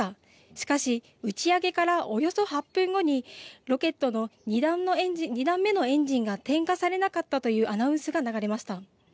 しかし打ち上げからおよそ８分後にロケットの２段目のエンジンが点火されなかったというアナウンサーが流れました。